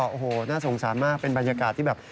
โอ้โหน่าสงสารมากเป็นบรรยากาศที่แบบ